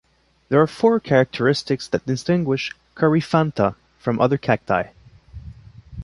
There are four characteristics that distinguish "Coryphantha" from other cacti.